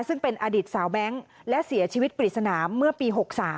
ซึ่งเป็นอดีตสาวแบงค์และเสียชีวิตปริศนาเมื่อปี๖๓